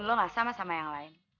kamu tidak sama dengan orang lain